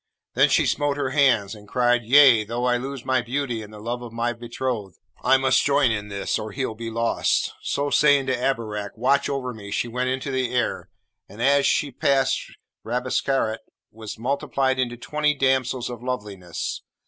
Then she smote her hands, and cried, 'Yea! though I lose my beauty and the love of my betrothed, I must join in this, or he'll be lost.' So, saying to Abarak, 'Watch over me,' she went into the air, and, as she passed Rabesqurat, was multiplied into twenty damsels of loveliness.